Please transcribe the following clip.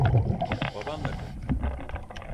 Babanla konuş.